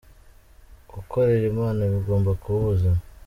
Gukorera Imana bigomba kuba ubuzima